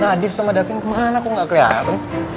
nadif sama davin kemana kok gak keliatan